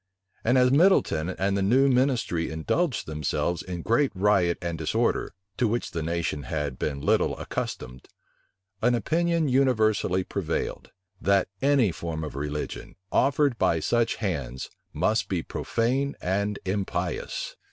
And as Middleton and the new ministry indulged themselves in great riot and disorder, to which the nation had been little accustomed, an opinion universally prevailed, that any form of religion, offered by such hands, must be profane and impious.